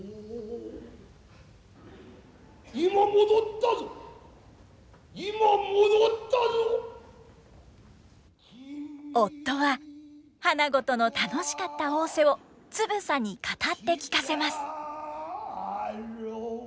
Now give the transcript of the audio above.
アアアアさて夫は花子との楽しかった逢瀬をつぶさに語って聞かせます。